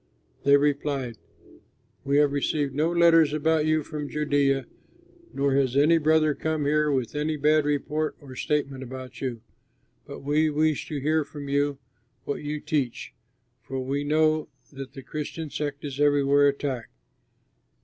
They replied, "We have received no letters about you from Judea nor has any brother come here with any bad report or statement about you; but we wish to hear from you what you teach, for we know that the Christian sect is everywhere attacked."